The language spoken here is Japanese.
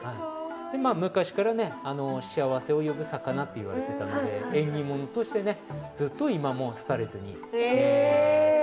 昔から幸せを呼ぶ魚っていわれてたので縁起物としてずっと今も廃れずに続いて。